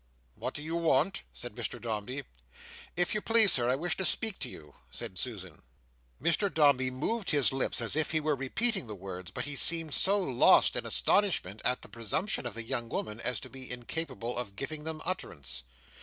"What do you want?" said Mr Dombey. "If you please, Sir, I wish to speak to you," said Susan. Mr Dombey moved his lips as if he were repeating the words, but he seemed so lost in astonishment at the presumption of the young woman as to be incapable of giving them utterance.